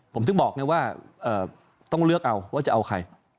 ผมถึงบอกไงว่าต้องเลือกเอาว่าจะเอาใคร